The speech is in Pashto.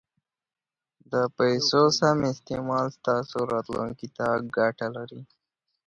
د پیسو سم استعمال ستاسو راتلونکي ته ګټه لري.